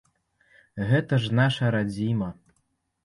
Гэта ж наша радзіма.